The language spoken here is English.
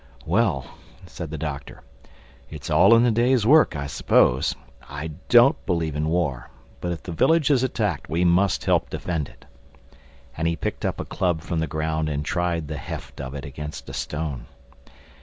"Well," said the Doctor, "it's all in the day's work, I suppose. I don't believe in war; but if the village is attacked we must help defend it." And he picked up a club from the ground and tried the heft of it against a stone.